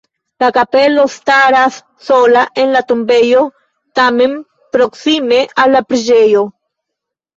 La kapelo staras sola en la tombejo, tamen proksime al la preĝejo.